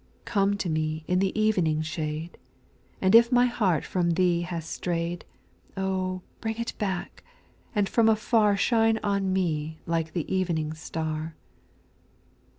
) 3. [ Come to me in the evening shade. And if my heart from Thee hath strayevl, Oh I bring it back, — and from afar Shine on me like the evening star.